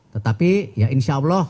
tetapi ya insyaallah